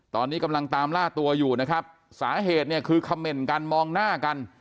ตอนนี้กำลังตามล่าตัวอยู่นะครับสาเหตุเนี่ยคือคำเมนต์กันมองหน้ากัน